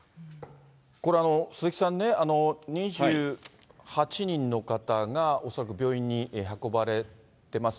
これ、鈴木さんね、２８人の方が恐らく病院に運ばれてます。